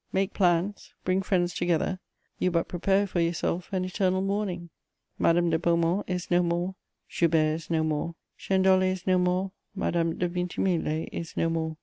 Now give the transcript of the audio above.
Make plans, bring friends together: you but prepare for yourself an eternal mourning! Madame de Beaumont is no more, Joubert is no more, Chênedollé is no more, Madame de Vintimille is no more.